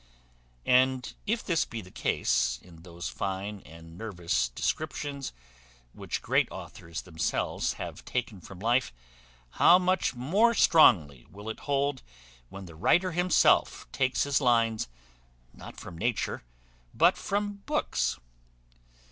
And if this be the case in those fine and nervous descriptions which great authors themselves have taken from life, how much more strongly will it hold when the writer himself takes his lines not from nature, but from books?